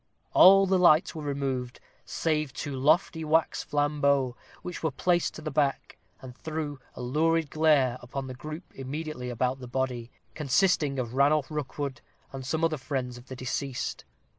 All the lights were removed, save two lofty wax flambeaux, which were placed to the back, and threw a lurid glare upon the group immediately about the body, consisting of Ranulph Rookwood and some other friends of the deceased.